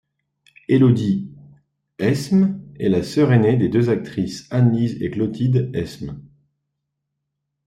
Élodie Hesme est la sœur ainée des deux actrices Annelise et Clotilde Hesme.